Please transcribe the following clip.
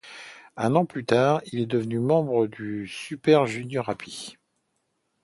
Un an plus tard, il est devenu un membre des Super Junior-Happy.